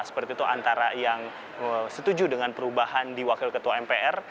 seperti itu antara yang setuju dengan perubahan di wakil ketua mpr